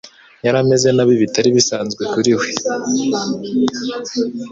Yari ameze nabi, bitari bisanzwe kuri we.